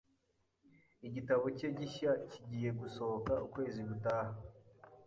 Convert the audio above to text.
Igitabo cye gishya kigiye gusohoka ukwezi gutaha .